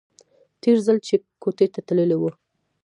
تېر ځل چې کوټې ته تللى و.